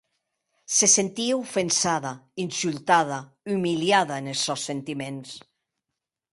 Se sentie ofensada, insultada, umiliada enes sòns sentiments.